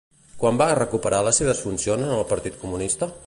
Quan va recuperar les seves funcions en el Partit Comunista?